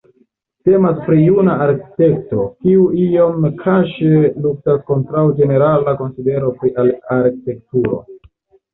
Temas pri juna arkitekto kiu iom kaŝe luktas kontraŭ ĝenerala konsidero pri arkitekturo.